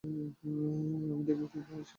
আমি দেখব সে কী বলে?